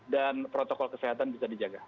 dan protokol kesehatan bisa dijaga